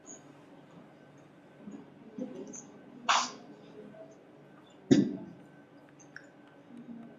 hakikisha maji hayagusi kiazi lishe vyako